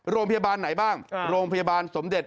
โรงพยาบาลไหนบ้างโรงพยาบาลสมเด็จ